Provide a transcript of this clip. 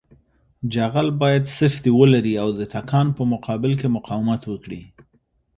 جغل باید سفتي ولري او د تکان په مقابل کې مقاومت وکړي